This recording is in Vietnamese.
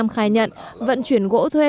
khai nhận vận chuyển gỗ thuê